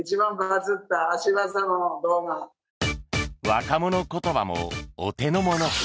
若者言葉もお手の物。